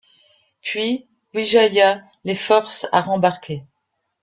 Puis Wijaya les force à rembarquer.